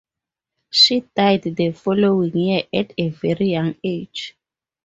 She died the following year at a very young age.